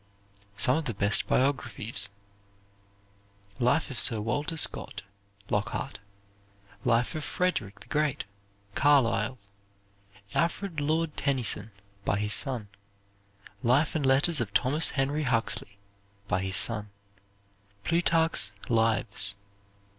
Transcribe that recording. Some of the Best Biographies "Life of Sir Walter Scott," Lockhart. "Life of Frederick the Great," Carlyle. "Alfred Lord Tennyson," by his son. "Life and Letters of Thomas Henry Huxley," by his son. Plutarch's "Lives."